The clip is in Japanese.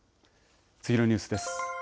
次のニュースです。